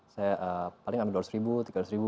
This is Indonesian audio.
saya paling ambil dua ratus ribu tiga ratus ribu